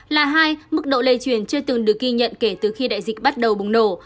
là hai mức độ lây truyền chưa từng được ghi nhận kể từ khi đại dịch bắt đầu bùng nổ